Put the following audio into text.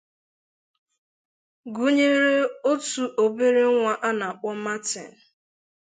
gụnyere otu obere nnwa a na-akpọ Martin